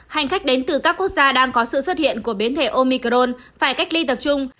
hành khách đến từ các quốc gia đang có sự xuất hiện của biến thể omicron phải cách ly tập trung